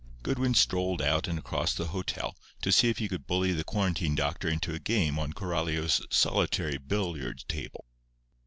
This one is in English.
Goodwin strolled out and across to the hotel to see if he could bully the quarantine doctor into a game on Coralio's solitary billiard table.